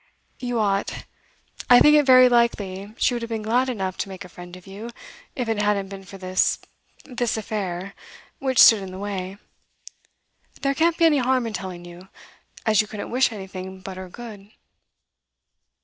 'You ought. I think it very likely she would have been glad enough to make a friend of you, if it hadn't been for this this affair, which stood in the way. There can't be any harm in telling you, as you couldn't wish anything but her good.